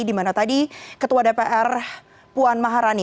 di mana tadi ketua dpr puan maharani